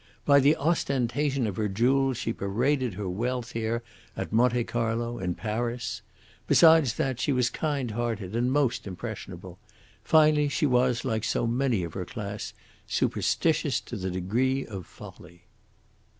By the ostentation of her jewels she paraded her wealth here, at Monte Carlo, in Paris. Besides that, she was kind hearted and most impressionable. Finally, she was, like so many of her class, superstitious to the degree of folly."